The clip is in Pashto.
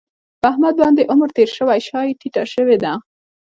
په احمد باندې عمر تېر شوی شا یې ټیټه شوې ده.